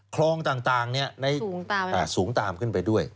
คลองต่างสูงตามขึ้นไปด้วย